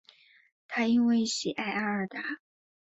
他因为喜爱阿尔达。